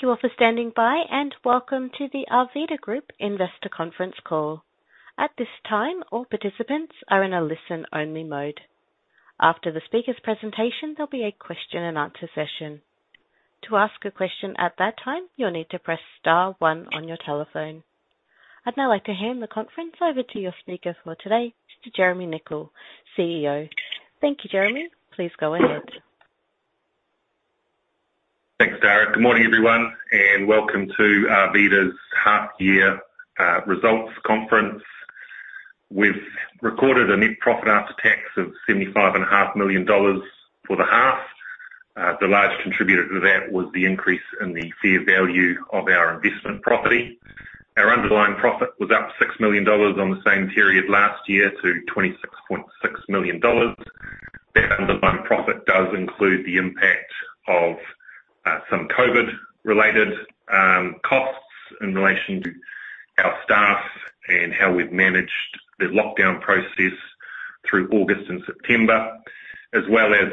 Thank you all for standing by, and welcome to the Arvida Group Investor Conference Call. At this time, all participants are in a listen-only mode. After the speaker's presentation, there'll be a question and answer session. To ask a question at that time, you'll need to press star one on your telephone. I'd now like to hand the conference over to your speaker for today, Mr. Jeremy Nicoll, CEO. Thank you, Jeremy. Please go ahead. Thanks, Dara. Good morning, everyone, and welcome to Arvida's half year results conference. We've recorded a net profit after tax of 75 and a half million for the half. The largest contributor to that was the increase in the fair value of our investment property. Our underlying profit was up 6 million dollars on the same period last year to 26.6 million dollars. That underlying profit does include the impact of some COVID-related costs in relation to our staff and how we've managed the lockdown process through August and September, as well as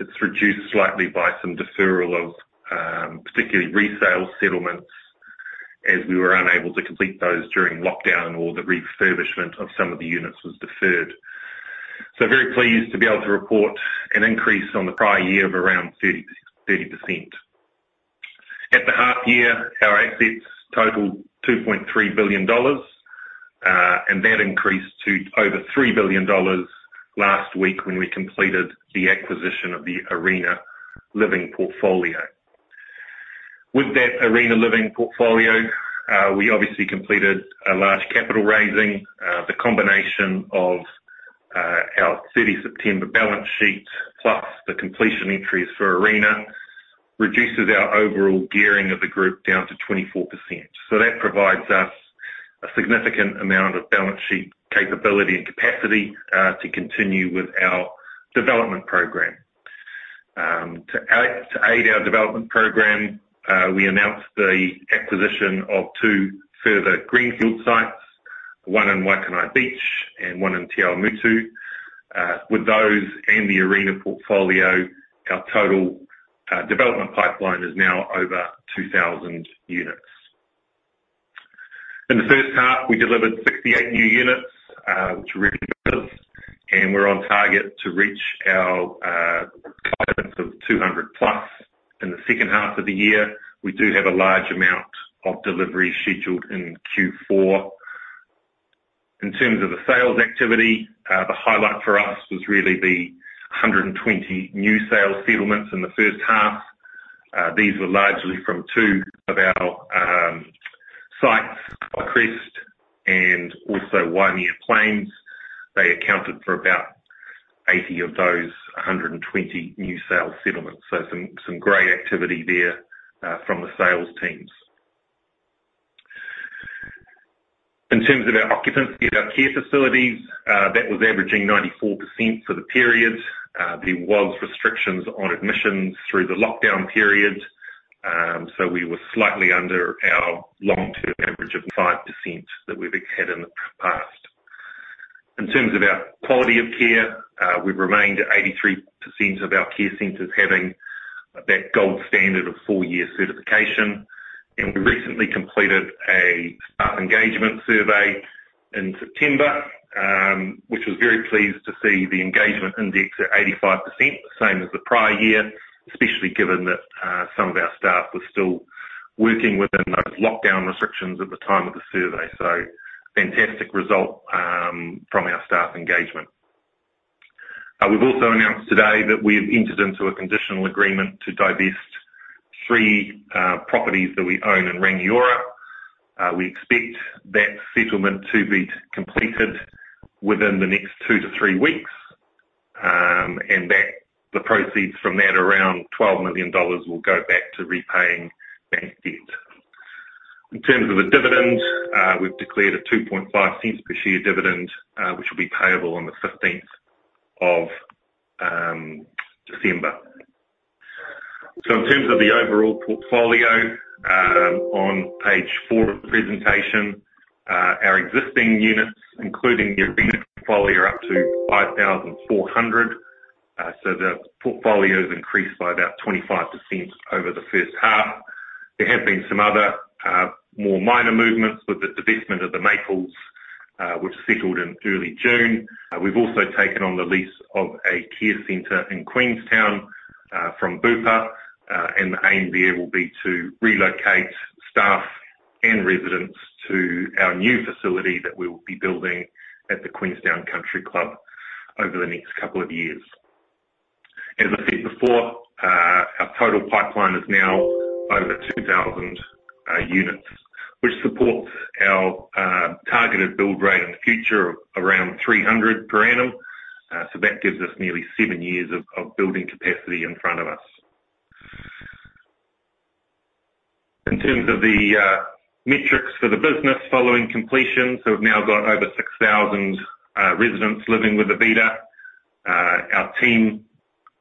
it's reduced slightly by some deferral of particularly resale settlements as we were unable to complete those during lockdown or the refurbishment of some of the units was deferred. Very pleased to be able to report an increase on the prior year of around 30%. At the half year, our assets totaled 2.3 billion dollars, and that increased to over 3 billion dollars last week when we completed the acquisition of the Arena Living portfolio. With that Arena Living portfolio, we obviously completed a large capital raising. The combination of our 30 September balance sheet, plus the completion entries for Arena, reduces our overall gearing of the group down to 24%. That provides us a significant amount of balance sheet capability and capacity to continue with our development program. To aid our development program, we announced the acquisition of two further greenfield sites, one in Waikanae Beach and one in Te Awamutu. With those and the Arena portfolio, our total development pipeline is now over 2,000 units. In the first half, we delivered 68 new units, which really and we're on target to reach our guidance of 200+. In the second half of the year, we do have a large amount of deliveries scheduled in Q4. In terms of the sales activity, the highlight for us was really the 120 new sales settlements in the first half. These were largely from two of our sites, Highcrest and also Waimea Plains. They accounted for about 80 of those 120 new sales settlements, so some great activity there from the sales teams. In terms of our occupancy at our care facilities, that was averaging 94% for the period. There was restrictions on admissions through the lockdown period, so we were slightly under our long-term average of 5% that we've had in the past. In terms of our quality of care, we've remained at 83% of our care centers having that gold standard of four-year certification. We recently completed a staff engagement survey in September, which was very pleased to see the engagement index at 85%, the same as the prior year, especially given that, some of our staff were still working within those lockdown restrictions at the time of the survey. Fantastic result from our staff engagement. We've also announced today that we have entered into a conditional agreement to divest 3 properties that we own in Rangiora. We expect that settlement to be completed within the next 2-3 weeks, and that the proceeds from that, around 12 million dollars, will go back to repaying bank debt. In terms of the dividend, we've declared a 0.025 per share dividend, which will be payable on the 15th of December. In terms of the overall portfolio, on page 4 of the presentation, our existing units, including the Arena portfolio, up to 5,400. The portfolio's increased by about 25% over the first half. There have been some other more minor movements with the divestment of The Maples, which settled in early June. We've also taken on the lease of a care center in Queenstown from Bupa. The aim there will be to relocate staff and residents to our new facility that we'll be building at the Queenstown Country Club over the next couple of years. As I said before, our total pipeline is now over 2,000 units, which supports our targeted build rate in the future of around 300 per annum. That gives us nearly seven years of building capacity in front of us. In terms of the metrics for the business following completion, we've now got over 6,000 residents living with Arvida. Our team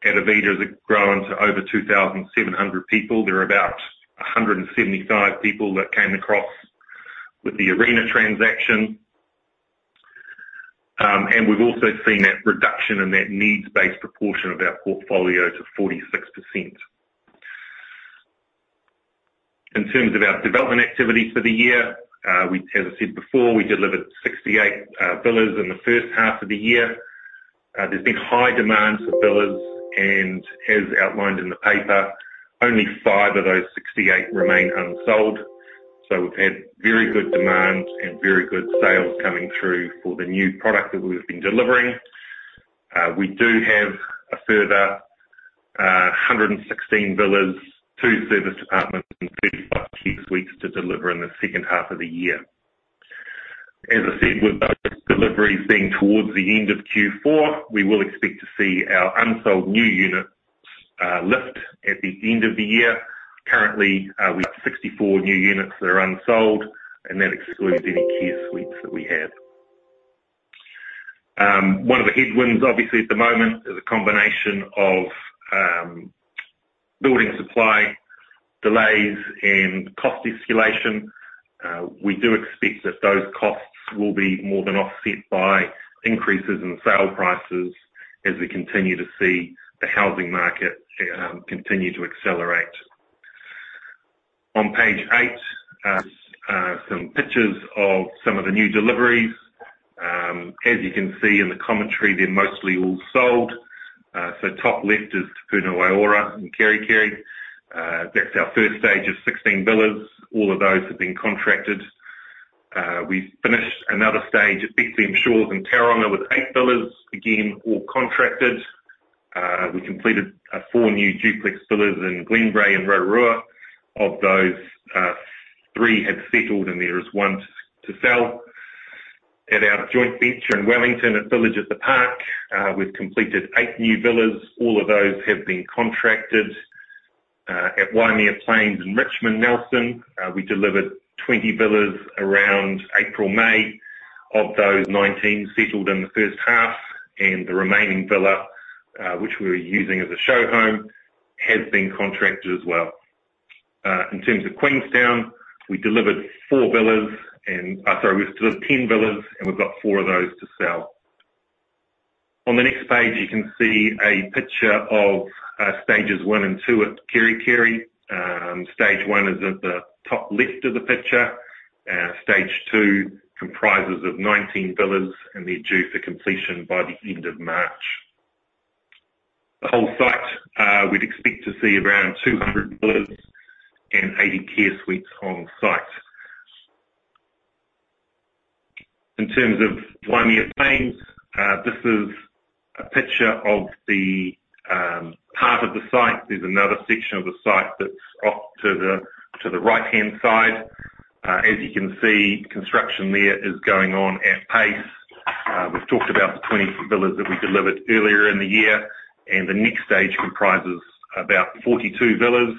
at Arvida has grown to over 2,700 people. There are about 175 people that came across with the Arena transaction. We've also seen that reduction in that needs-based proportion of our portfolio to 46%. In terms of our development activities for the year, as I said before, we delivered 68 villas in the first half of the year. There's been high demand for villas, and as outlined in the paper, only five of those 68 remain unsold. We've had very good demand and very good sales coming through for the new product that we've been delivering. We do have a further 116 villas, two serviced apartments, and 35 care suites to deliver in the second half of the year. As I said, with those deliveries being towards the end of Q4, we will expect to see our unsold new units lift at the end of the year. Currently, we've 64 new units that are unsold, and that excludes any care suites that we have. One of the headwinds, obviously, at the moment is a combination of building supply delays and cost escalation. We do expect that those costs will be more than offset by increases in sale prices as we continue to see the housing market continue to accelerate. On page 8, some pictures of some of the new deliveries. As you can see in the commentary, they're mostly all sold. Top left is Te Puna Waiora in Kerikeri. That's our first stage of 16 villas. All of those have been contracted. We finished another stage at Bethlehem Shores in Tauranga with 8 villas, again, all contracted. We completed 4 new duplex villas in Glenbrae in Rotorua. Of those, 3 have settled and there is 1 to sell. At our joint venture in Wellington at Village at the Park, we've completed 8 new villas. All of those have been contracted. At Waimea Plains in Richmond, Nelson, we delivered 20 villas around April/May. Of those, 19 settled in the H1, and the remaining villa, which we're using as a show home, has been contracted as well. In terms of Queenstown, we've delivered 10 villas, and we've got 4 of those to sell. On the next page, you can see a picture of stages 1 and 2 at Kerikeri. Stage 1 is at the top left of the picture. Stage 2 comprises 19 villas, and they're due for completion by the end of March. The whole site, we'd expect to see around 200 villas and 80 care suites on site. In terms of Waimea Plains, this is a picture of the part of the site. There's another section of the site that's off to the right-hand side. As you can see, construction there is going on at pace. We've talked about the 20 villas that we delivered earlier in the year, and the next stage comprises about 42 villas,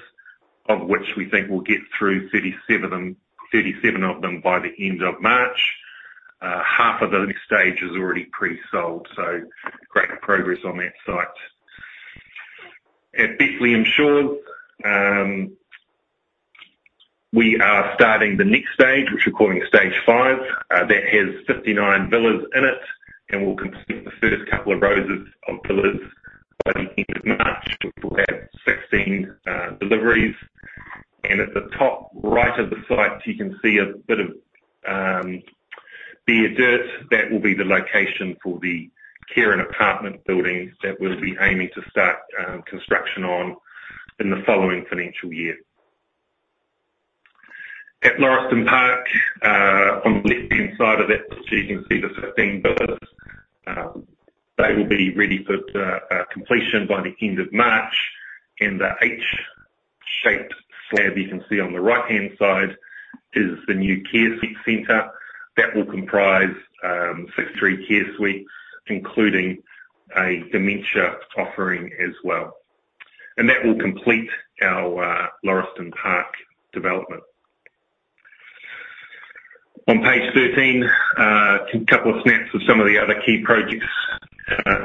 of which we think we'll get through 37 of them by the end of March. Half of the next stage is already pre-sold, so great progress on that site. At Bethlehem Shores, we are starting the next stage, which we're calling stage 5. That has 59 villas in it, and we'll complete the first couple of rows of villas by the end of March. We'll have 16 deliveries. At the top right of the site, you can see a bit of bare dirt. That will be the location for the care and apartment buildings that we'll be aiming to start construction on in the following financial year. At Lauriston Park, on the left-hand side of that, so you can see the 15 villas. They will be ready for completion by the end of March. The H-shaped slab you can see on the right-hand side is the new care suite center. That will comprise 63 care suites, including a dementia offering as well. That will complete our Lauriston Park development. On page 13, a couple of snaps of some of the other key projects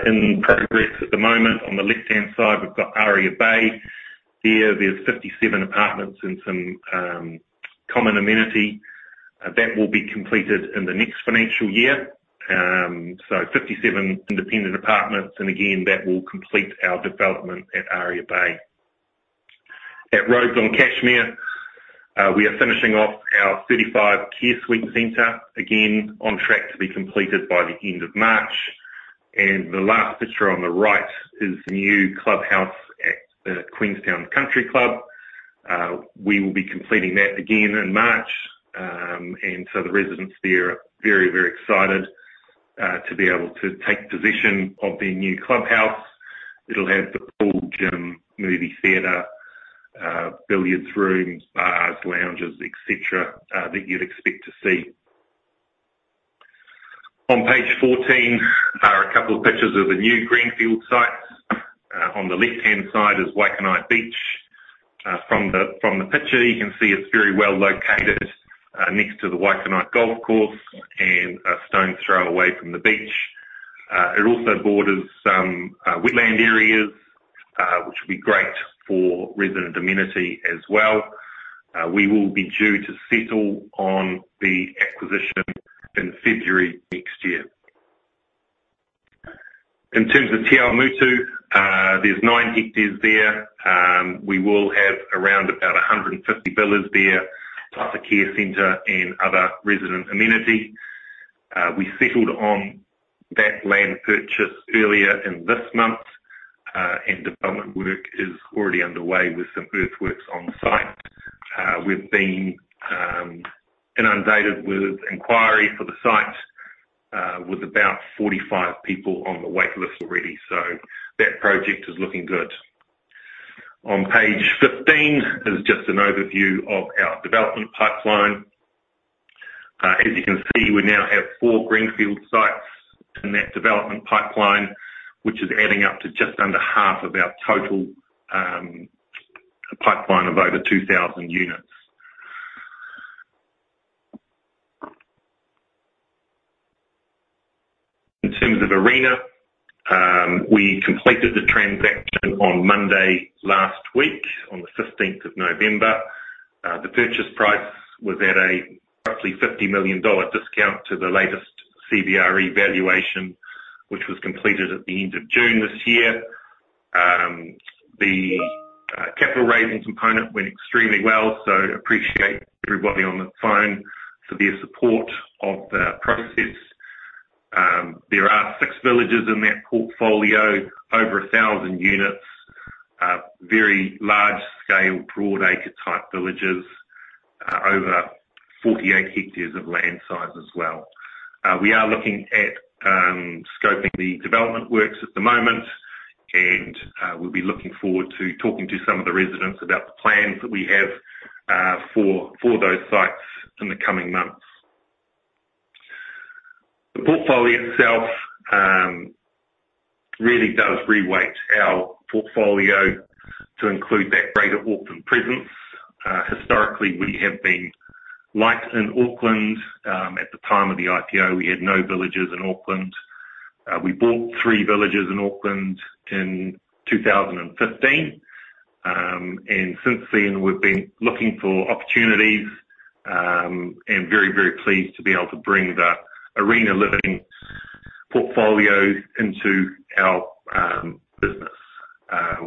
in progress at the moment. On the left-hand side, we've got Aria Bay. There, there's 57 apartments and some common amenity. That will be completed in the next financial year. 57 independent apartments, and again, that will complete our development at Aria Bay. At Rhodes on Cashmere, we are finishing off our 35 care suite center, again, on track to be completed by the end of March. The last picture on the right is the new clubhouse at the Queenstown Country Club. We will be completing that again in March. The residents there are very, very excited to be able to take possession of their new clubhouse. It'll have the full gym, movie theater, billiards rooms, bars, lounges, et cetera, that you'd expect to see. On page 14 are a couple of pictures of the new greenfield site. On the left-hand side is Waikanae Beach. From the picture, you can see it's very well located next to the Waikanae Golf Course and a stone's throw away from the beach. It also borders some wetland areas, which will be great for resident amenity as well. We will be due to settle on the acquisition in February next year. In terms of Te Awamutu, there's 9 hectares there. We will have around about 150 villas there, a type of care center and other resident amenity. We settled on that land purchase earlier this month, and development work is already underway with some earthworks on site. We've been inundated with inquiries for the site with about 45 people on the wait list already. That project is looking good. On page 15 is just an overview of our development pipeline. As you can see, we now have four greenfield sites in that development pipeline, which is adding up to just under half of our total pipeline of over 2,000 units. In terms of Arena, we completed the transaction on Monday last week on the 15th of November. The purchase price was at a roughly 50 million dollar discount to the latest CBRE valuation, which was completed at the end of June this year. The capital raising component went extremely well. Appreciate everybody on the phone for their support of the process. There are six villages in that portfolio, over 1,000 units, very large scale, broad acre type villages, over 48 hectares of land size as well. We are looking at scoping the development works at the moment and we'll be looking forward to talking to some of the residents about the plans that we have for those sites in the coming months. The portfolio itself really does re-weight our portfolio to include that greater Auckland presence. Historically, we have been light in Auckland. At the time of the IPO, we had no villages in Auckland. We bought three villages in Auckland in 2015. Since then, we've been looking for opportunities and very, very pleased to be able to bring the Arena Living portfolio into our business.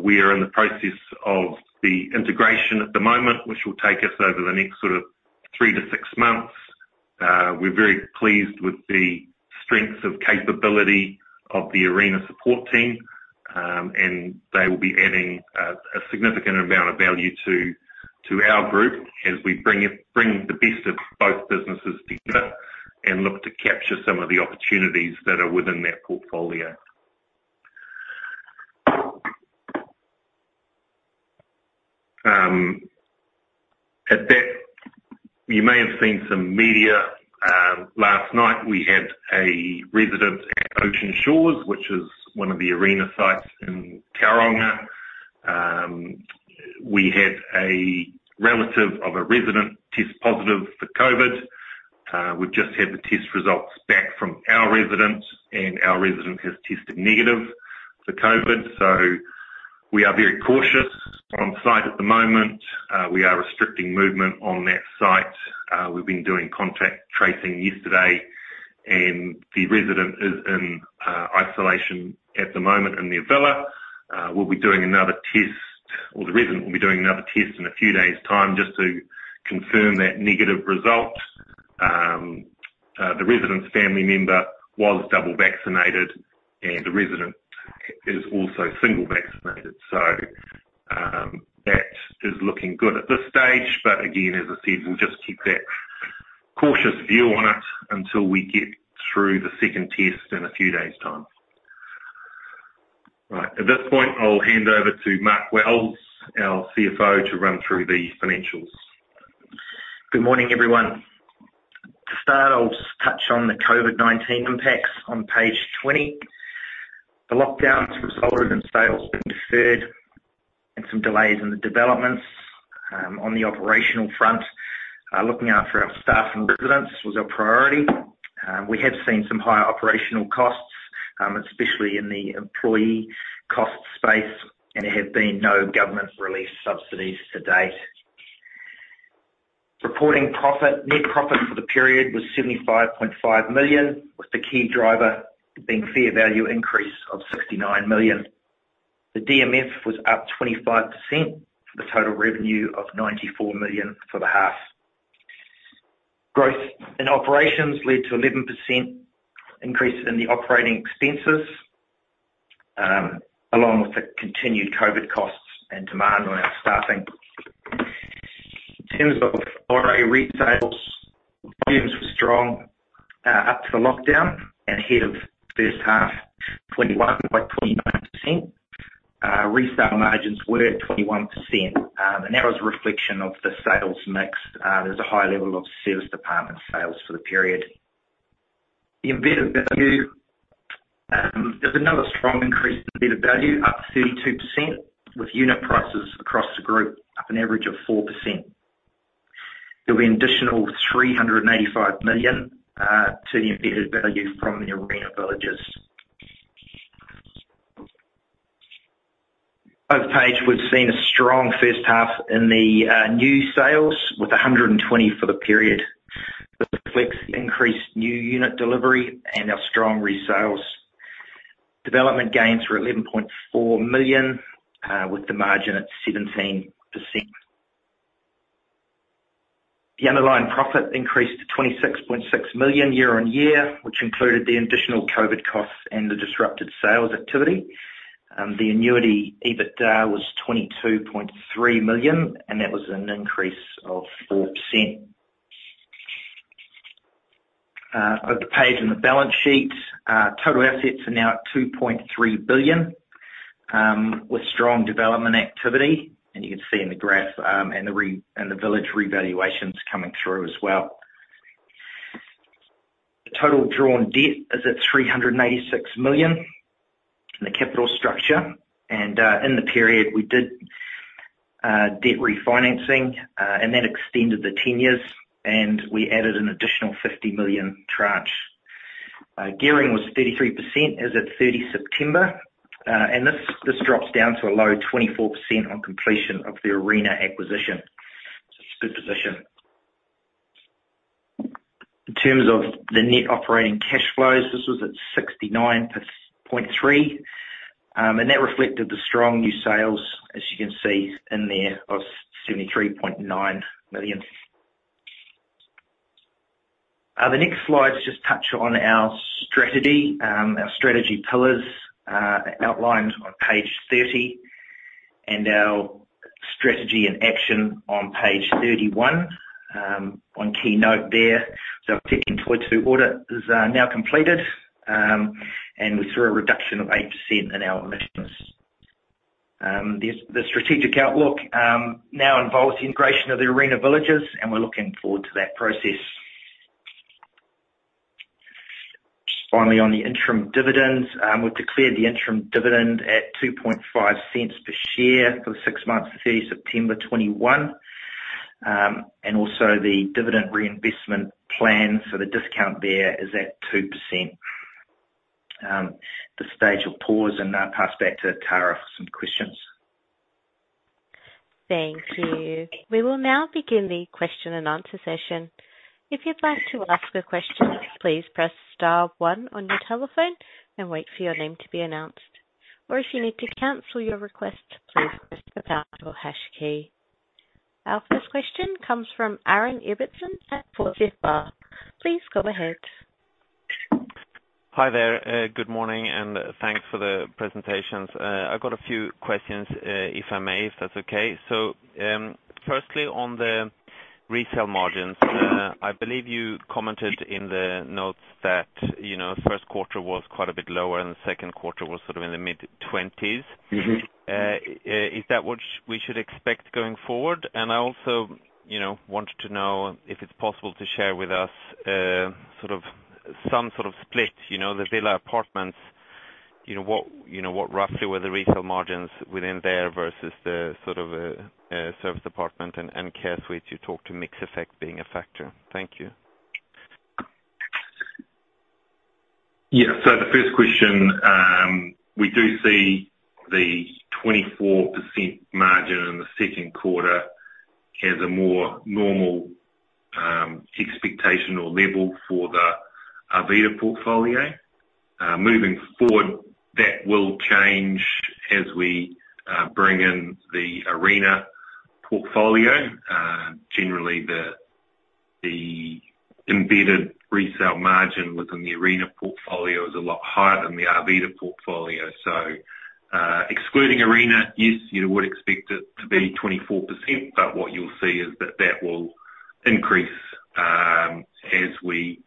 We are in the process of the integration at the moment, which will take us over the next sort of 3-6 months. We're very pleased with the strength of capability of the Arena support team, and they will be adding a significant amount of value to our group as we bring the best of both businesses together and look to capture some of the opportunities that are within that portfolio. After that, you may have seen some media. Last night we had a resident at Ocean Shores, which is one of the Arena sites in Tauranga. We had a relative of a resident test positive for COVID. We've just had the test results back from our resident, and our resident has tested negative for COVID. We are very cautious on site at the moment. We are restricting movement on that site. We've been doing contact tracing yesterday, and the resident is in isolation at the moment in their villa. We'll be doing another test, or the resident will be doing another test in a few days' time just to confirm that negative result. The resident's family member was double vaccinated and the resident is also single vaccinated. That is looking good at this stage. Again, as I said, we'll just keep that cautious view on it until we get through the second test in a few days' time. Right. At this point, I'll hand over to Mark Wells, our CFO, to run through the financials. Good morning, everyone. To start, I'll just touch on the COVID-19 impacts on page 20. The lockdowns resulted in sales being deferred and some delays in the developments. On the operational front, looking after our staff and residents was our priority. We have seen some higher operational costs, especially in the employee cost space, and there have been no government relief subsidies to date. Reported profit. Net profit for the period was 75.5 million, with the key driver being fair value increase of 69 million. The DMF was up 25% for the total revenue of 94 million for the half. Growth in operations led to 11% increase in the operating expenses, along with the continued COVID costs and demand on our staffing. In terms of ORA retail, volumes were strong up to the lockdown and ahead of H1 21.29%. Resale margins were at 21%, and that was a reflection of the sales mix. There's a high level of serviced apartment sales for the period. The embedded value, there's another strong increase in embedded value, up 32%, with unit prices across the group up an average of 4%. There'll be an additional 385 million to the embedded value from the Arena villages. Over the page, we've seen a strong first half in the new sales with 120 for the period. This reflects increased new unit delivery and our strong resales. Development gains were 11.4 million, with the margin at 17%. The underlying profit increased to 26.6 million year-over-year, which included the additional COVID costs and the disrupted sales activity. The annuity EBITDA was 22.3 million, and that was an increase of 4%. Over the page in the balance sheet, total assets are now at 2.3 billion, with strong development activity, and you can see in the graph, and the village revaluations coming through as well. The total drawn debt is at 386 million in the capital structure, and in the period we did debt refinancing, and that extended 10 years, and we added an additional 50 million tranche. Gearing was 33% as at 30 September, and this drops down to a low 24% on completion of the Arena acquisition. It's a good position. In terms of the net operating cash flows, this was at 69.3 million, and that reflected the strong new sales, as you can see in there, of 73.9 million. The next slides just touch on our strategy, our strategy pillars, outlined on page 30, and our strategy and action on page 31. One key note there, the 2022 audit is now completed, and we saw a reduction of 8% in our emissions. The strategic outlook now involves the integration of the Arena Living, and we're looking forward to that process. Finally, on the interim dividends, we've declared the interim dividend at 0.025 per share for the six months to 30 September 2021, and also the dividend reinvestment plan for the discount there is at 2%. At this stage I'll pause and pass back to Dara for some questions. Thank you. We will now begin the question-and-answer session. If you'd like to ask a question, please press star one on your telephone and wait for your name to be announced. Or if you need to cancel your request, please press the pound or hash key. Our first question comes from Aaron Ibbotson at Forsyth Barr. Please go ahead. Hi there. Good morning, and thanks for the presentations. I've got a few questions, if I may, if that's okay. Firstly, on the resale margins, I believe you commented in the notes that, you know, first quarter was quite a bit lower and the second quarter was sort of in the mid-20s%. Mm-hmm. Is that what we should expect going forward? I also, you know, wanted to know if it's possible to share with us, sort of, some sort of split, you know, the villa apartments, you know, what, you know, what roughly were the resale margins within there versus the sort of, serviced apartments and care suites. You talked to mix effect being a factor. Thank you. Yeah. The first question, we do see the 24% margin in the Q2 as a more normal, expectational level for the Arvida portfolio. Moving forward, that will change as we bring in the Arena portfolio. Generally the embedded resale margin within the Arena portfolio is a lot higher than the Arvida portfolio. Excluding Arena, yes, you would expect it to be 24%, but what you'll see is that that will increase as we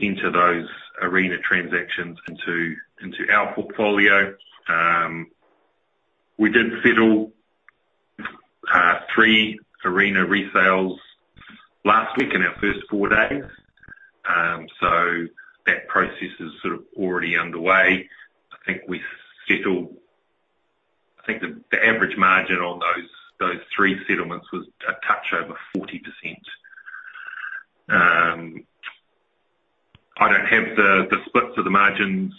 enter those Arena transactions into our portfolio. We did settle 3 Arena resales last week in our first 4 days, so that process is sort of already underway. I think the average margin on those 3 settlements was a touch over 40%. I don't have the splits of the margins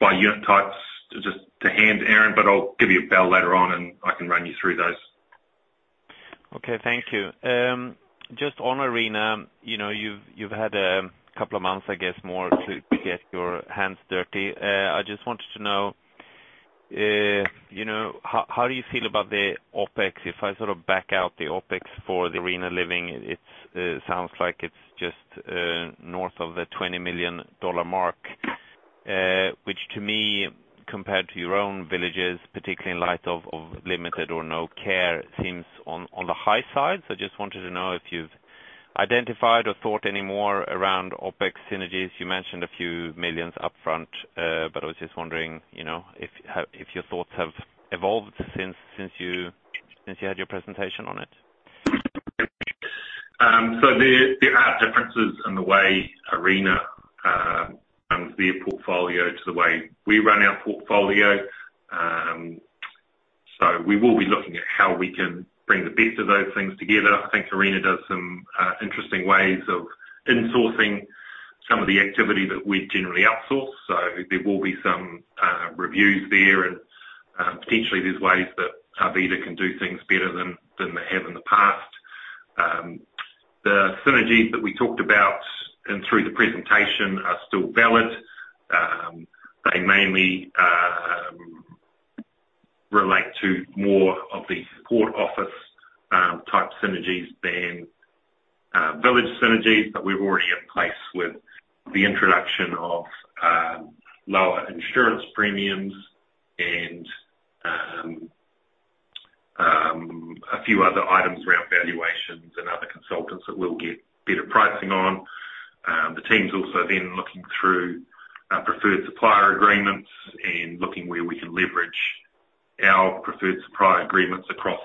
by unit types just to hand, Aaron, but I'll give you a bell later on, and I can run you through those. Okay. Thank you. Just on Arena, you know, you've had a couple of months, I guess, more to get your hands dirty. I just wanted to know, you know, how do you feel about the OpEx? If I sort of back out the OpEx for the Arena Living, it sounds like it's just north of the 20 million dollar mark, which to me, compared to your own villages, particularly in light of limited or no care, seems on the high side. Just wanted to know if you've identified or thought any more around OpEx synergies. You mentioned a few millions upfront, but I was just wondering, you know, if your thoughts have evolved since you had your presentation on it. Um, so the- The way Arena runs their portfolio to the way we run our portfolio. We will be looking at how we can bring the best of those things together. I think Arena does some interesting ways of insourcing some of the activity that we generally outsource. There will be some reviews there and potentially there's ways that Arvida can do things better than they have in the past. The synergies that we talked about and through the presentation are still valid. They mainly relate to more of the support office type synergies than village synergies that we've already in place with the introduction of lower insurance premiums and a few other items around valuations and other consultants that we'll get better pricing on. The team's also then looking through preferred supplier agreements and looking where we can leverage our preferred supplier agreements across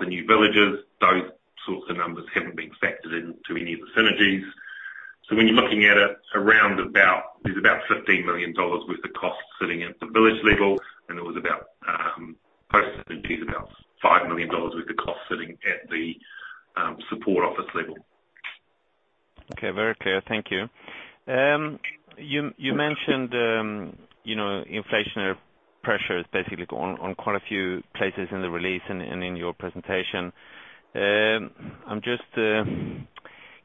the new villages. Those sorts of numbers haven't been factored into any of the synergies. When you're looking at it, around about there's about 15 million dollars worth of costs sitting at the village level, and there was about post synergies about 5 million dollars worth of costs sitting at the support office level. Okay. Very clear. Thank you. You mentioned you know, inflationary pressures basically go on in quite a few places in the release and in your presentation. I'm just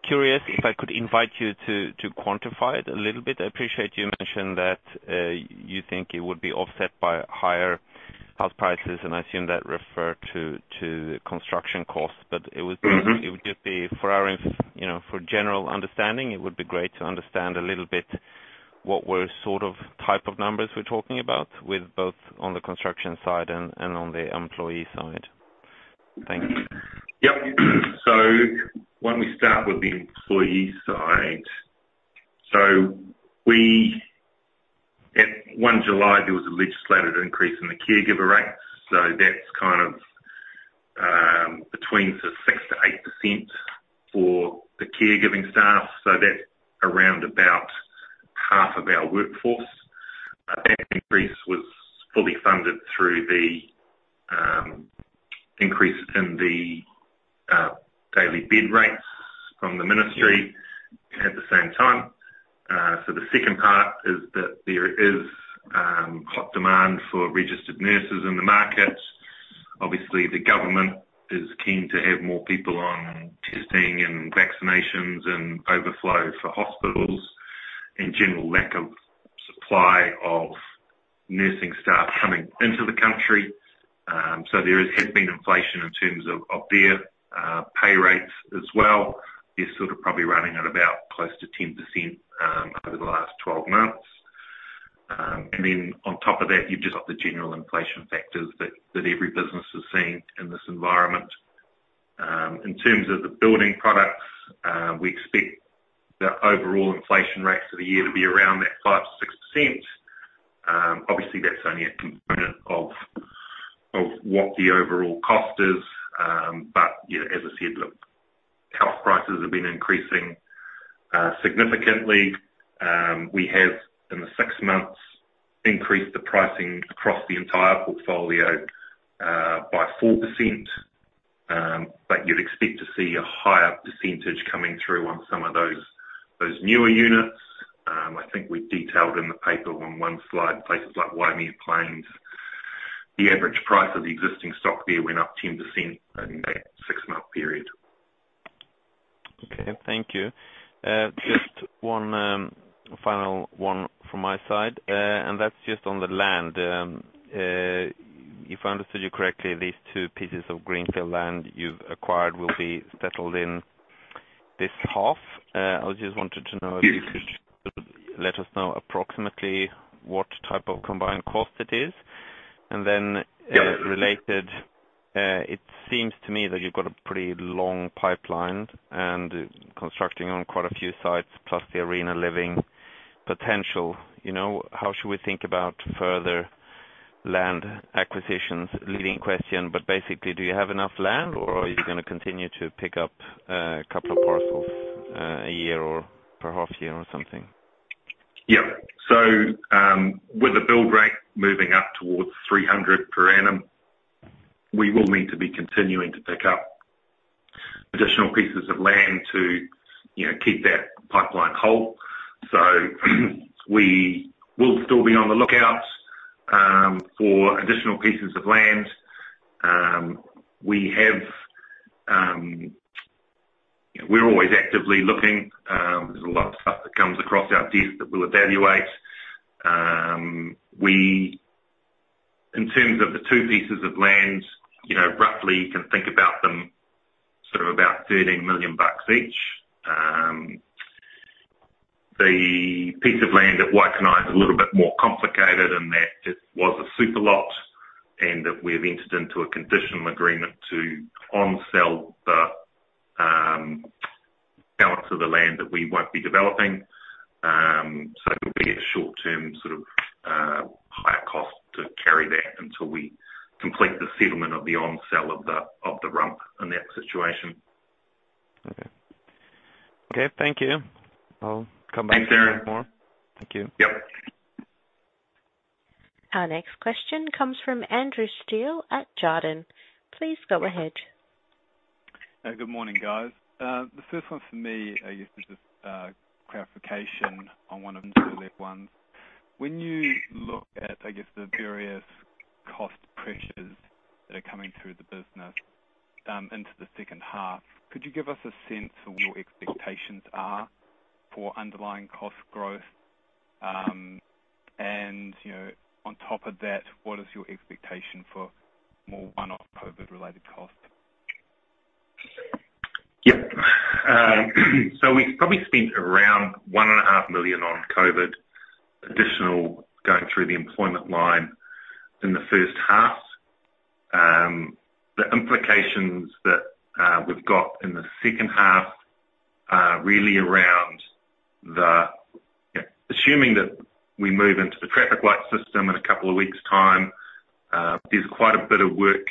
curious if I could invite you to quantify it a little bit. I appreciate you mentioned that you think it would be offset by higher house prices, and I assume that refer to construction costs. But it would be Mm-hmm. You know, for general understanding, it would be great to understand a little bit what sort of type of numbers we're talking about with both on the construction side and on the employee side. Thank you. Yep. Why don't we start with the employee side. At 1 July, there was a legislated increase in the caregiver rates, that's between 6%-8% for the caregiving staff, that's around about half of our workforce. That increase was fully funded through the increase in the daily bed rates from the ministry at the same time. The second part is that there is high demand for registered nurses in the market. Obviously, the government is keen to have more people on testing and vaccinations and overflow for hospitals and general lack of supply of nursing staff coming into the country. There has been inflation in terms of their pay rates as well, is sort of probably running at about close to 10% over the last 12 months. On top of that, you've just got the general inflation factors that every business has seen in this environment. In terms of the building products, we expect the overall inflation rates for the year to be around that 5%-6%. Obviously, that's only a component of what the overall cost is. Yeah, as I said, look, house prices have been increasing significantly. We have in the 6 months increased the pricing across the entire portfolio by 4%, but you'd expect to see a higher percentage coming through on some of those newer units. I think we've detailed in the paper on one slide places like Waimea Plains, the average price of the existing stock there went up 10% in that six-month period. Okay. Thank you. Just one final one from my side, and that's just on the land. If I understood you correctly, these two pieces of greenfield land you've acquired will be settled in this half. I just wanted to know if- Yes. You could let us know approximately what type of combined cost it is. Yeah. -related, it seems to me that you've got a pretty long pipeline and constructing on quite a few sites plus the Arena Living potential, you know. How should we think about further land acquisitions? Leading question, but basically, do you have enough land or are you gonna continue to pick up, a couple of parcels, a year or per half year or something? Yeah. With the build rate moving up towards 300 per annum, we will need to be continuing to pick up additional pieces of land to, you know, keep that pipeline whole. We will still be on the lookout for additional pieces of land. We're always actively looking. There's a lot of stuff that comes across our desk that we'll evaluate. We, in terms of the two pieces of land, you know, roughly you can think about them sort of about 13 million bucks each. The piece of land at Waikanae is a little bit more complicated in that it was a super lot and that we have entered into a conditional agreement to onsell the balance of the land that we won't be developing. It'll be a short-term sort of complete the settlement of the on-sell of the rump in that situation. Okay, thank you. I'll come back to you with more. Thanks, Aaron. Thank you. Yep. Our next question comes from Andrew Steele at Jarden. Please go ahead. Good morning, guys. The first one for me, I guess, is just clarification on one of the left ones. When you look at, I guess, the various cost pressures that are coming through the business into the H2 could you give us a sense of what your expectations are for underlying cost growth? You know, on top of that, what is your expectation for more one-off COVID-related costs? Yeah. We probably spent around 1.5 million on COVID, additional going through the employment line in the first half. The implications that we've got in the second half are really around assuming that we move into the Traffic Light System in a couple of weeks' time. There's quite a bit of work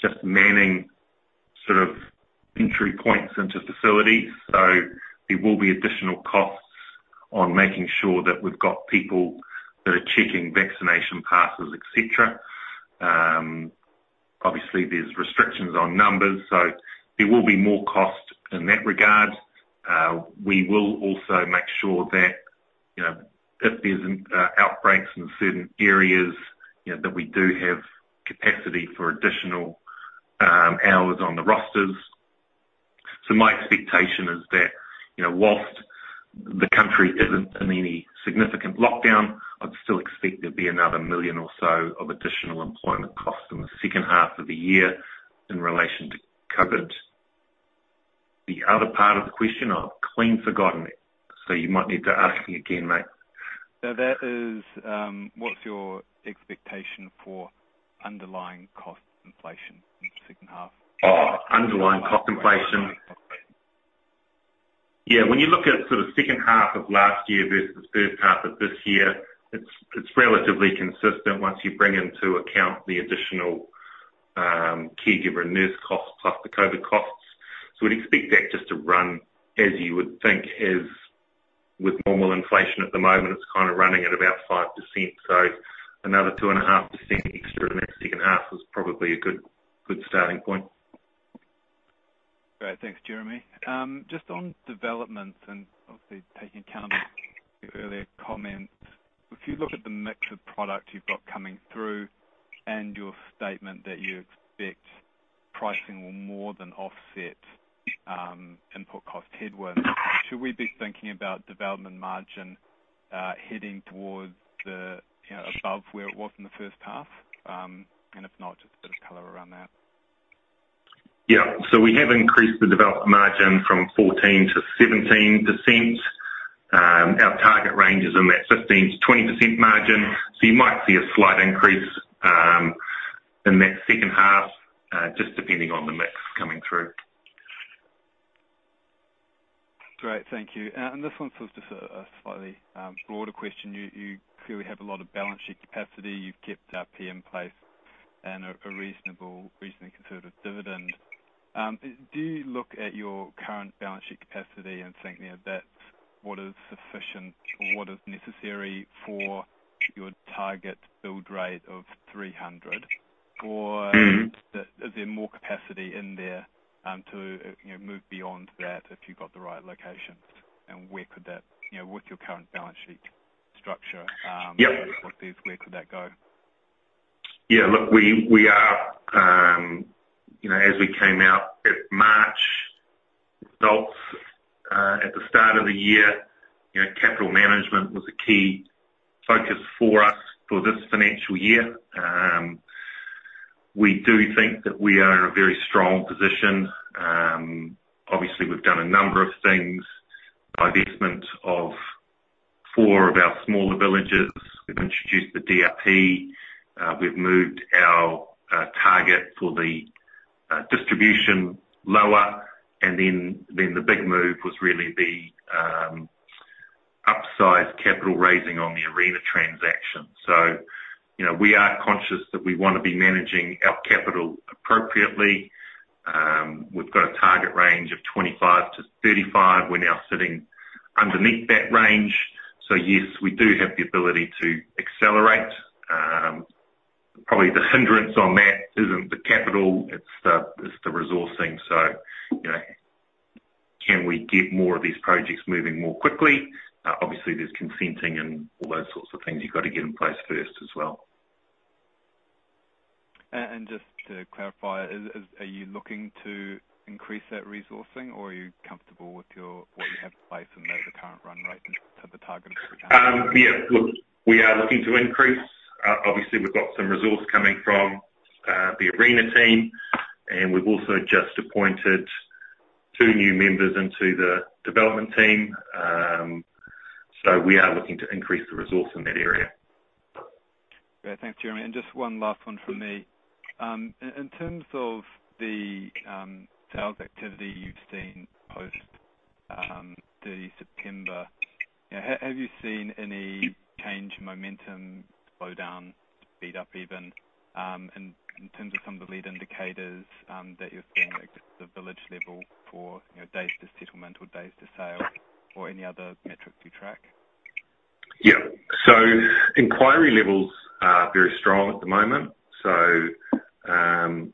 just manning sort of entry points into facilities. There will be additional costs on making sure that we've got people that are checking vaccination passes, et cetera. Obviously, there's restrictions on numbers, so there will be more cost in that regard. We will also make sure that, you know, if there's outbreaks in certain areas, you know, that we do have capacity for additional hours on the rosters. My expectation is that, you know, while the country isn't in any significant lockdown, I'd still expect there'd be another 1 million or so of additional employment costs in the second half of the year in relation to COVID. The other part of the question, I've clean forgotten it, so you might need to ask me again, mate. that is, what's your expectation for underlying cost inflation in the second half? Oh, underlying cost inflation. Underlying cost inflation. Yeah. When you look at sort of second half of last year versus the first half of this year, it's relatively consistent once you bring into account the additional caregiver and nurse costs, plus the COVID costs. We'd expect that just to run as you would think as with normal inflation at the moment, it's kinda running at about 5%. Another 2.5% extra in that second half is probably a good starting point. Great. Thanks, Jeremy. Just on developments and obviously taking account of your earlier comments, if you look at the mix of product you've got coming through and your statement that you expect pricing will more than offset input cost headwinds, should we be thinking about development margin heading towards the, you know, above where it was in the H1? If not, just a bit of color around that. We have increased the development margin from 14% to 17%. Our target range is in that 15%-20% margin. You might see a slight increase in that second half just depending on the mix coming through. Great. Thank you. This one's just a slightly broader question. You clearly have a lot of balance sheet capacity. You've kept DRP in place and a reasonably conservative dividend. Do you look at your current balance sheet capacity and think, you know, that's what is sufficient or what is necessary for your target build rate of 300? Or- Mm-hmm. Is there more capacity in there to, you know, move beyond that if you got the right locations? Where could that, you know, with your current balance sheet structure Yeah. Where could that go? Yeah. Look, we are, you know, as we came out at March results, at the start of the year, you know, capital management was a key focus for us for this financial year. We do think that we are in a very strong position. Obviously we've done a number of things, divestment of four of our smaller villages. We've introduced the DRP. We've moved our target for the distribution lower. And then the big move was really the upsize capital raising on the Arena transaction. You know, we are conscious that we wanna be managing our capital appropriately. We've got a target range of 25%-35%. We're now sitting underneath that range. Yes, we do have the ability to accelerate. Probably the hindrance on that isn't the capital, it's the resourcing. You know, can we get more of these projects moving more quickly? Obviously there's consenting and all those sorts of things you've got to get in place first as well. Just to clarify, are you looking to increase that resourcing or are you comfortable with what you have in place and maybe the current run rate to the target? Yeah. Look, we are looking to increase. Obviously we've got some resource coming from the Arena team, and we've also just appointed two new members into the development team. We are looking to increase the resource in that area. Great. Thanks, Jeremy. Just one last one from me. In terms of the sales activity you've seen post-30 September. Yeah, have you seen any change, momentum, slowdown, speed up even, in terms of some of the lead indicators that you're seeing at the village level for, you know, days to settlement or days to sale or any other metric you track? Yeah. Inquiry levels are very strong at the moment. You know,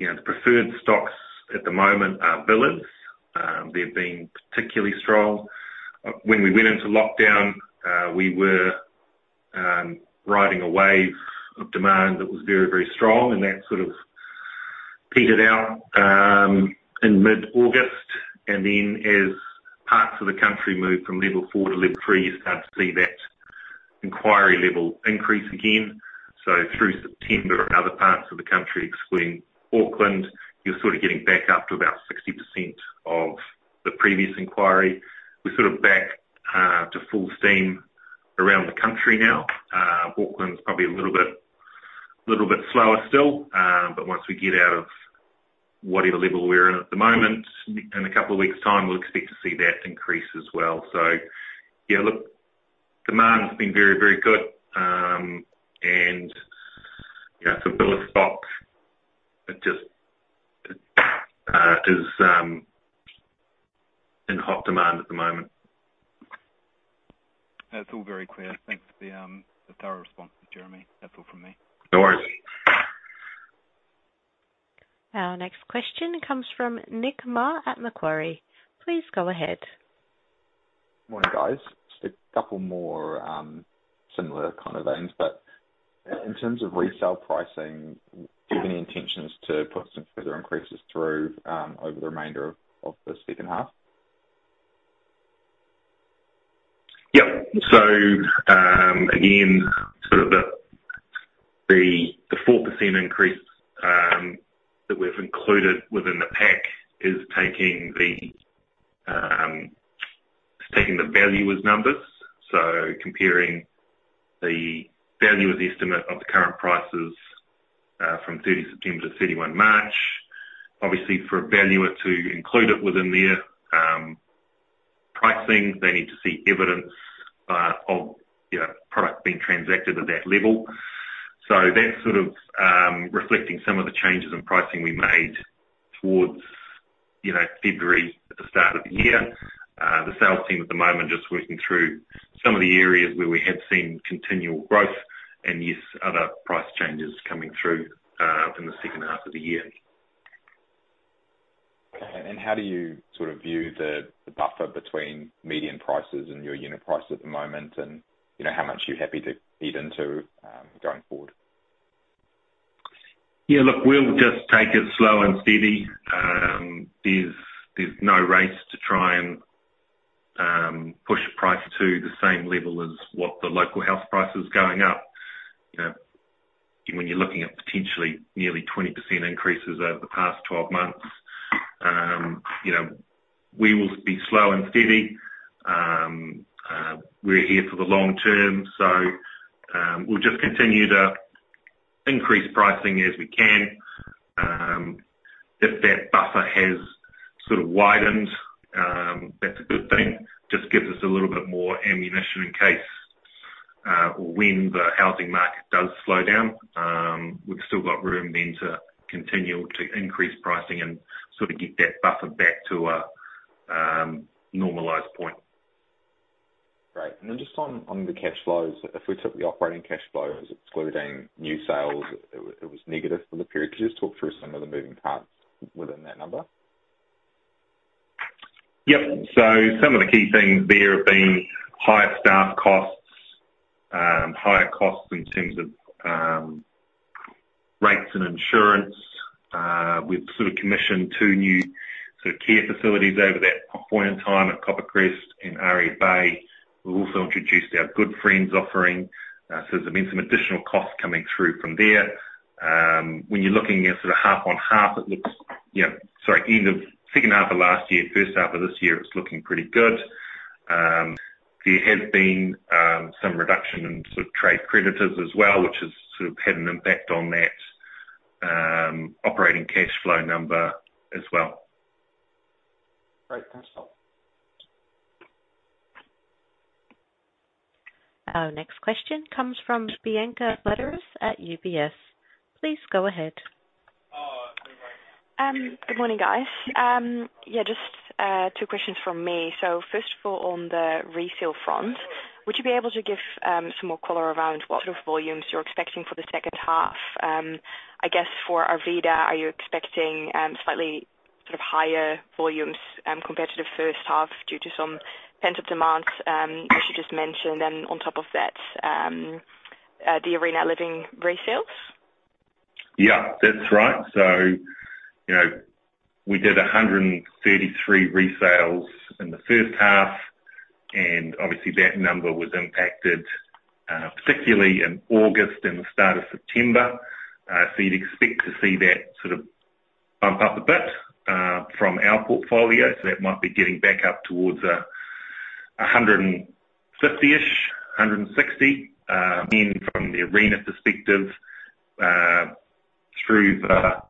the preferred stocks at the moment are villas. They've been particularly strong. When we went into lockdown, we were riding a wave of demand that was very, very strong, and that sort of petered out in mid-August. Then as parts of the country moved from level four to level three, you start to see that inquiry level increase again. Through September in other parts of the country, excluding Auckland, you're sort of getting back up to about 60% of the previous inquiry. We're sort of back to full steam around the country now. Auckland's probably a little bit slower still. Once we get out of whatever level we're in at the moment, in a couple of weeks' time, we'll expect to see that increase as well. Yeah, look, demand's been very, very good. Yeah, villa stock, it just is in hot demand at the moment. That's all very clear. Thanks for the thorough response, Jeremy. That's all from me. No worries. Our next question comes from Nick Mar at Macquarie. Please go ahead. Morning, guys. Just a couple more, similar kind of vein, but in terms of resale pricing, do you have any intentions to put some further increases through, over the remainder of the second half? Yeah. Again, sort of the 4% increase that we've included within the pack is taking the valuer's numbers, comparing the valuer's estimate of the current prices from 30 September to 31 March. Obviously, for a valuer to include it within their pricing, they need to see evidence of, you know, product being transacted at that level. That's sort of reflecting some of the changes in pricing we made towards, you know, February at the start of the year. The sales team at the moment just working through some of the areas where we have seen continual growth and yes, other price changes coming through in the H2 of the year. How do you sort of view the buffer between median prices and your unit price at the moment? You know, how much are you happy to feed into going forward? Yeah, look, we'll just take it slow and steady. There's no race to try and push price to the same level as what the local house price is going up. You know, when you're looking at potentially nearly 20% increases over the past 12 months, you know, we will be slow and steady. We're here for the long term, so we'll just continue to increase pricing as we can. If that buffer has sort of widened, that's a good thing. Just gives us a little bit more ammunition in case, or when the housing market does slow down. We've still got room then to continue to increase pricing and sort of get that buffer back to a normalized point. Great. Just on the cash flows, if we took the operating cash flows excluding new sales, it was negative for the period. Could you just talk through some of the moving parts within that number? Yep. Some of the key things there have been higher staff costs, higher costs in terms of, rates and insurance. We've sort of commissioned two new sort of care facilities over that point in time at Copper Crest in Aria Bay. We've also introduced our Good Friends offering. There's been some additional costs coming through from there. When you're looking at sort of half on half, it looks, you know. Sorry, end of H2 of last year, first half of this year, it's looking pretty good. There has been some reduction in sort of trade creditors as well, which has sort of had an impact on that, operating cash flow number as well. Great. Thanks, pal. Our next question comes from Bianca Letters at UBS. Please go ahead. Good morning. Good morning, guys. Yeah, just two questions from me. First of all, on the resale front, would you be able to give some more color around what sort of volumes you're expecting for the H2? I guess for Arvida, are you expecting slightly sort of higher volumes compared to the first half due to some pent-up demand you should just mention, then on top of that, the Arena Living resales? Yeah, that's right. You know, we did 133 resales in the first half, and obviously that number was impacted, particularly in August and the start of September. You'd expect to see that sort of bump up a bit from our portfolio. That might be getting back up towards a hundred and fifty-ish, hundred and sixty, in from the Arena perspective, through the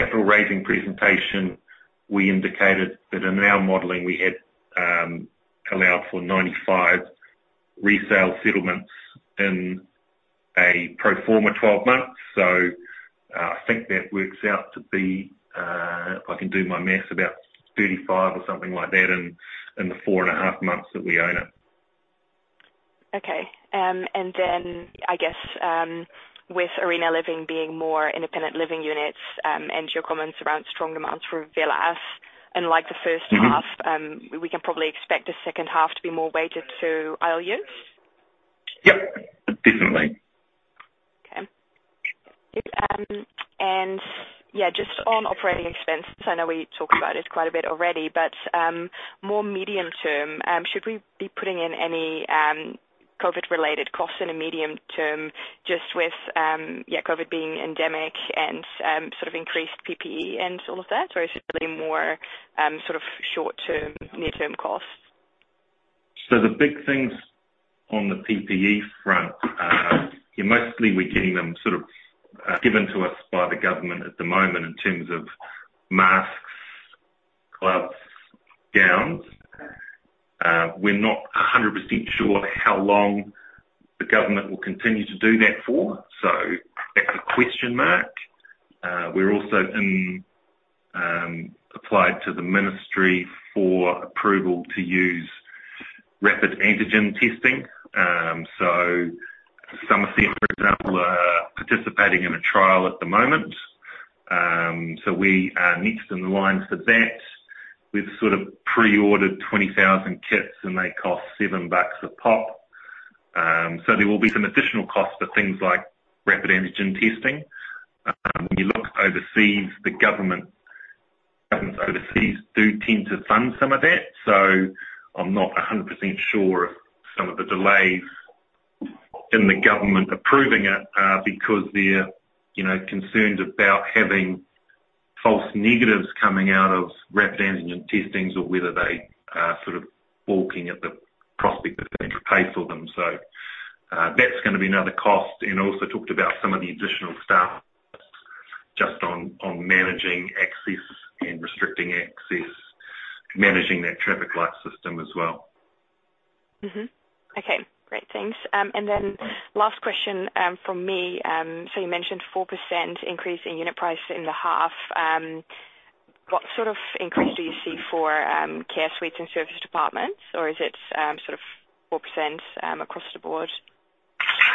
capital raising presentation, we indicated that in our modeling we had allowed for 95 resale settlements in a pro forma 12 months. I think that works out to be, if I can do my math, about 35 or something like that in the four and a half months that we own it. Okay. I guess, with Arena Living being more independent living units, and your comments around strong demands for villas, unlike the first half- Mm-hmm. We can probably expect the second half to be more weighted to ILUs? Yep, definitely. Okay. Yeah, just on operating expenses, I know we talked about it quite a bit already, but more medium-term, should we be putting in any COVID-related costs in a medium-term just with yeah, COVID being endemic and sort of increased PPE and all of that, or is it really more sort of short-term, near-term costs? The big things on the PPE front, mostly we're getting them sort of given to us by the government at the moment in terms of masks, gloves, gowns. We're not 100% sure how long the government will continue to do that for. That's a question mark. We've also applied to the ministry for approval to use rapid antigen testing. Some of them, for example, are participating in a trial at the moment. We are next in line for that. We've sort of pre-ordered 20,000 kits, and they cost 7 bucks a pop. There will be some additional costs for things like rapid antigen testing. When you look overseas, the governments overseas do tend to fund some of that. I'm not 100% sure if some of the delays in the government approving it are because they're, you know, concerned about having false negatives coming out of rapid antigen testing or whether they are sort of balking at the prospect of having to pay for them. That's gonna be another cost. Also talked about some of the additional staff just on managing access and restricting access, managing that traffic light system as well. Mm-hmm. Okay. Great. Thanks. Last question from me. You mentioned 4% increase in unit price in the half. What sort of increase do you see for care suites and serviced apartments? Or is it sort of 4% across the board?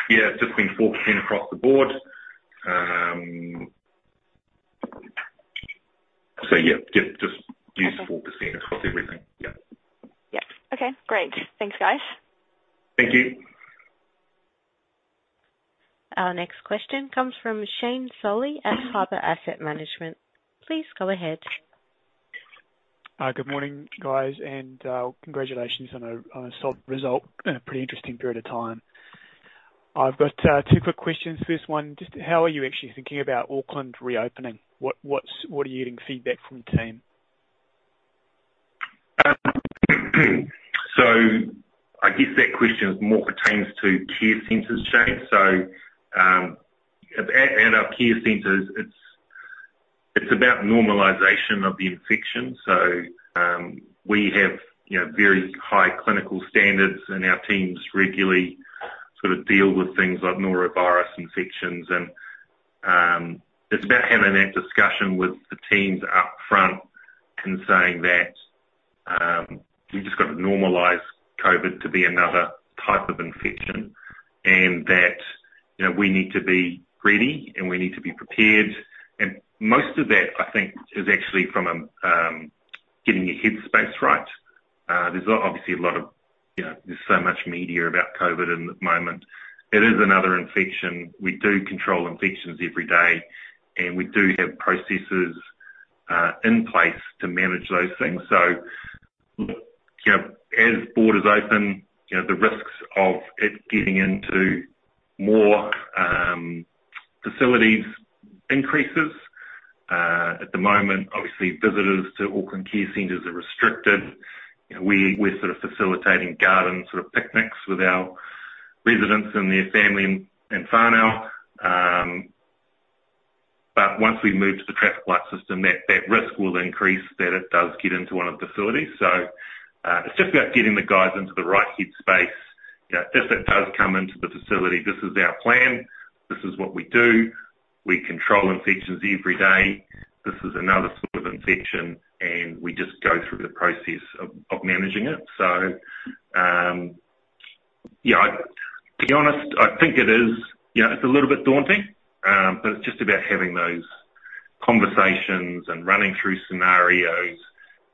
Yeah, it's just been 4% across the board. Yeah, just use 4% across everything. Yeah. Yeah. Okay, great. Thanks, guys. Thank you. Our next question comes from Shane Solly at Harbour Asset Management. Please go ahead. Good morning, guys, and congratulations on a solid result in a pretty interesting period of time. I've got two quick questions. First one, just how are you actually thinking about Auckland reopening? What are you getting feedback from the team? I guess that question more pertains to care centers, Shane. At our care centers, it's about normalization of the infection. We have, you know, very high clinical standards, and our teams regularly sort of deal with things like norovirus infections. It's about having that discussion with the teams up front and saying that we've just got to normalize COVID to be another type of infection and that, you know, we need to be ready, and we need to be prepared. Most of that, I think, is actually from getting your head space right. There's obviously a lot of, you know, there's so much media about COVID in the moment. It is another infection. We do control infections every day, and we do have processes in place to manage those things. You know, as borders open, you know, the risks of it getting into more facilities increases. At the moment, obviously, visitors to Auckland care centers are restricted. You know, we're sort of facilitating garden sort of picnics with our residents and their family and whānau. Once we move to the traffic light system, that risk will increase that it does get into one of the facilities. It's just about getting the guys into the right head space. You know, if it does come into the facility, this is our plan. This is what we do. We control infections every day. This is another sort of infection, and we just go through the process of managing it. Yeah, to be honest, I think it is, you know, it's a little bit daunting, but it's just about having those conversations and running through scenarios,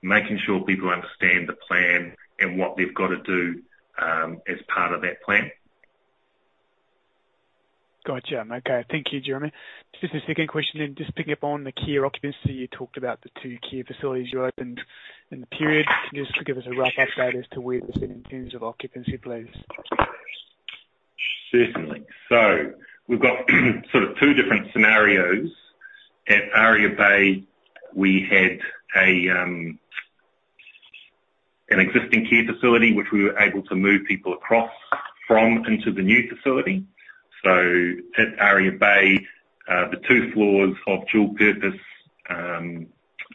making sure people understand the plan and what they've gotta do, as part of that plan. Gotcha. Okay. Thank you, Jeremy. Just a second question. Just picking up on the care occupancy. You talked about the two care facilities you opened in the period. Can you just give us a rough update as to where they sit in terms of occupancy, please? Certainly. We've got sort of two different scenarios. At Aria Bay, we had an existing care facility which we were able to move people across from into the new facility. At Aria Bay, the two floors of dual purpose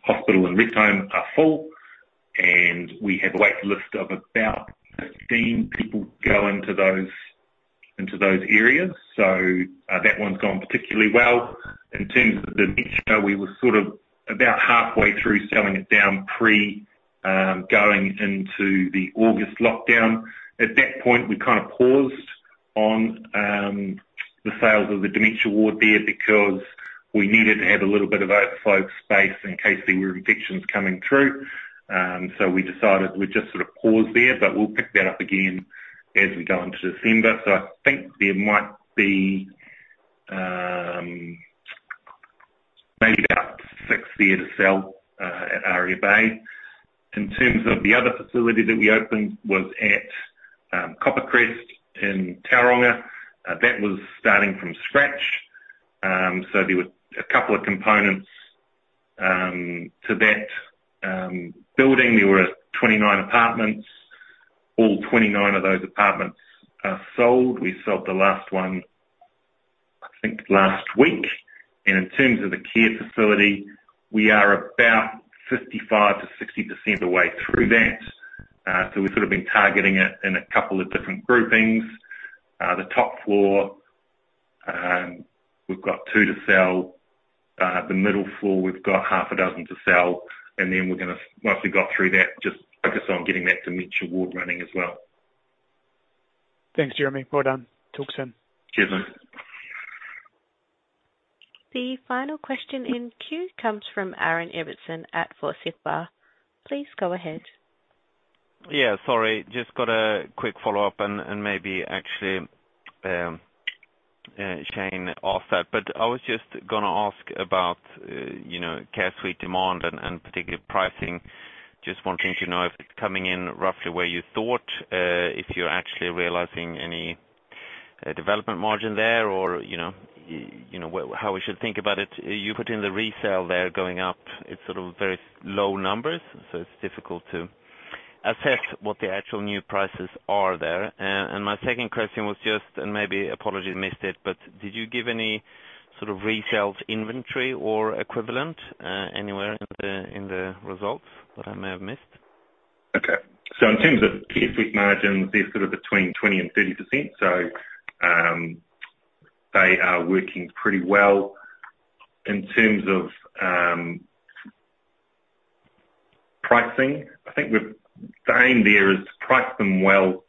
hospital and rest home are full, and we have a wait list of about 15 people go into those areas. That one's gone particularly well. In terms of the dementia, we were sort of about halfway through selling it down pre going into the August lockdown. At that point, we kind of paused on the sales of the dementia ward there because we needed to have a little bit of overflow space in case there were infections coming through. We decided we'd just sort of pause there, but we'll pick that up again as we go into December. I think there might be maybe about 6 there to sell at Aria Bay. In terms of the other facility that we opened was at Copper Crest in Tauranga. That was starting from scratch. There were a couple of components to that building. There were 29 apartments. All 29 of those apartments are sold. We sold the last one, I think, last week. In terms of the care facility, we are about 55%-60% the way through that. We've sort of been targeting it in a couple of different groupings. The top floor, we've got 2 to sell. The middle floor, we've got 6 to sell. We're gonna, once we've got through that, just focus on getting that dementia ward running as well. Thanks, Jeremy. Well done. Talk soon. Cheers, man. The final question in queue comes from Aaron Ibbotson at Forsyth Barr. Please go ahead. Sorry, just got a quick follow-up and maybe actually, Shane asked that, but I was just gonna ask about, you know, care suite demand and particularly pricing. Just wanting to know if it's coming in roughly where you thought, if you're actually realizing any, development margin there or, you know, how we should think about it. You put in the resale there going up. It's sort of very low numbers, so it's difficult to assess what the actual new prices are there. My second question was just, maybe apologies, I missed it, but did you give any sort of resales inventory or equivalent, anywhere in the results that I may have missed? Okay. In terms of care suites margins, they're sort of between 20%-30%. They are working pretty well. In terms of pricing, I think the aim there is to price them well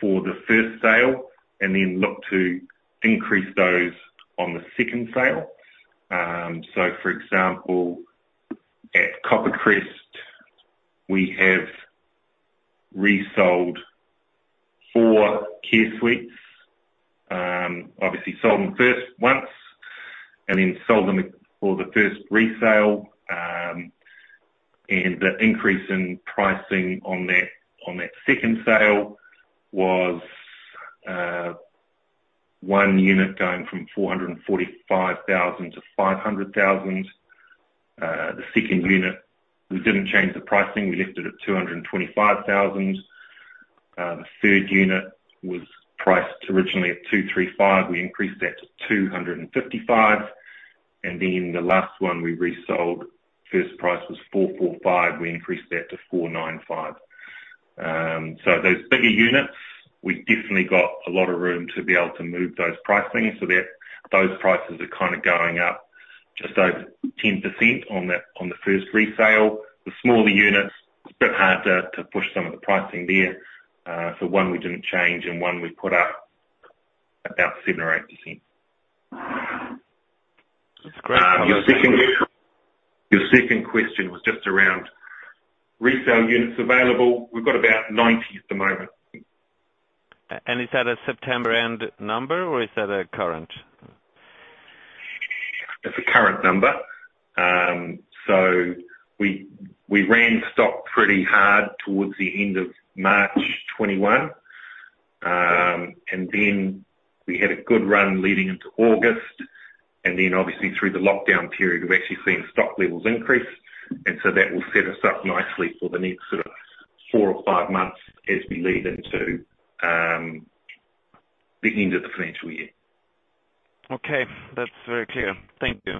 for the first sale and then look to increase those on the second sale. For example, at Copper Crest, we have resold 4 care suites. Obviously sold them first once and then sold them for the first resale. The increase in pricing on that second sale was one unit going from 445 thousand to 500 thousand. The second unit, we didn't change the pricing. We left it at 225 thousand. The third unit was priced originally at 235 thousand. We increased that to 255 thousand. The last one we resold, first price was 445. We increased that to 495. Those bigger units, we've definitely got a lot of room to be able to move those pricing. Those prices are kinda going up just over 10% on the first resale. The smaller units, it's a bit harder to push some of the pricing there. One we didn't change, and one we put up about 7% or 8%. That's great. Your second question was just around resale units available. We've got about 90 at the moment. Is that a September end number, or is that a current? It's a current number. We ran stock pretty hard towards the end of March 2021. Then we had a good run leading into August. Then obviously through the lockdown period, we've actually seen stock levels increase. That will set us up nicely for the next sort of four or five months as we lead into the end of the financial year. Okay. That's very clear. Thank you.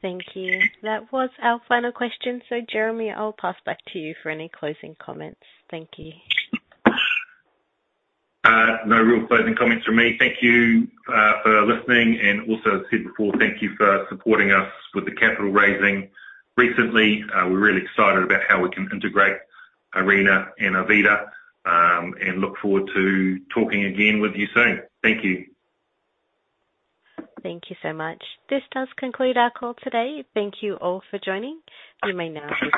Thank you. That was our final question. Jeremy, I'll pass back to you for any closing comments. Thank you. No real closing comments from me. Thank you for listening and also as I said before, thank you for supporting us with the capital raising recently. We're really excited about how we can integrate Arena and Arvida, and look forward to talking again with you soon. Thank you. Thank you so much. This does conclude our call today. Thank you all for joining. You may now disconnect.